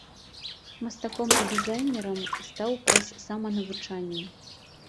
Мастаком і дызайнерам стаў праз саманавучанне.